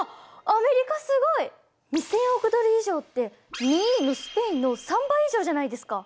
アメリカすごい！２，０００億ドル以上って２位のスペインの３倍以上じゃないですか。